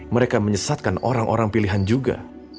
mereka menyesatkan orang orang pilihan juga